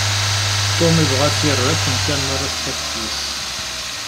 Tom yebɣa ad t-yerr akken kan mi ara tfakkeḍ yess.